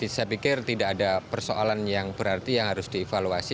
saya pikir tidak ada persoalan yang berarti yang harus dievaluasi